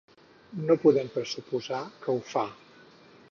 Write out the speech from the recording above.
No podem pressuposar que ho far